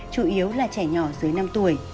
chủ yếu là trẻ nhỏ dưới năm tuổi